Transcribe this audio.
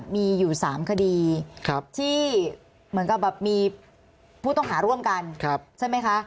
มีอยู่๓คดีที่เหมือนกับแบบมีผู้ต้องหาร่วมกันใช่ไหมคะ